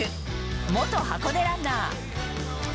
元箱根ランナー。